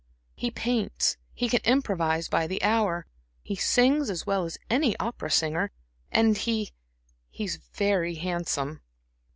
"He paints, he can improvise by the hour, he sings as well as any opera singer, and he is very handsome.